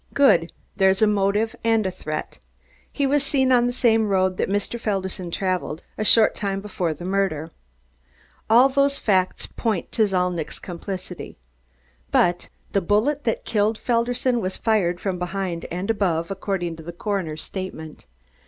Good! There's a motive and a threat. He was seen on the same road that Mr. Felderson traveled, a short time before the murder. All those facts point to Zalnitch's complicity. But the bullet that killed Felderson was fired from behind and above, according to the coroner's statement.